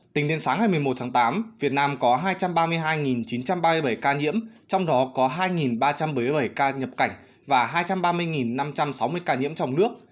tính đến sáng ngày một mươi một tháng tám việt nam có hai trăm ba mươi hai chín trăm ba mươi bảy ca nhiễm trong đó có hai ba trăm bảy mươi bảy ca nhập cảnh và hai trăm ba mươi năm trăm sáu mươi ca nhiễm trong nước